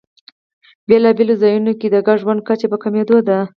بېلابېلو ځایونو کې د ګډ ژوند کچه په کمېدو ده.